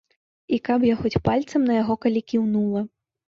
І каб я хоць пальцам на яго калі кіўнула.